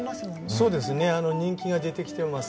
そうですね人気が出てきてます。